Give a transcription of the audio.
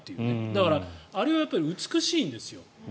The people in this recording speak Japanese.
だから、あれはやっぱり美しいんですよ。